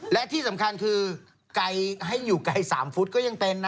และที่สำคัญคือไกลให้อยู่ไกล๓ฟุตก็ยังเป็นนะ